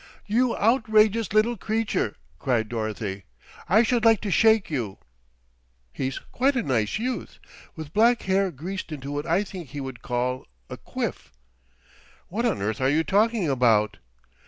"You outrageous little creature!" cried Dorothy. "I should like to shake you." "He's quite a nice youth, with black hair greased into what I think he would call a 'quiff.'" "What on earth are you talking about?"